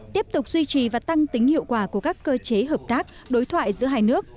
tiếp tục duy trì và tăng tính hiệu quả của các cơ chế hợp tác đối thoại giữa hai nước